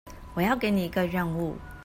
我要給你一個任務